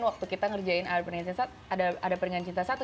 waktu kita ngerjain all of our chemistry ada perkenaan cinta satu